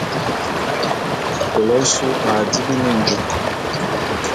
Kele ôsu a dibi minjuk.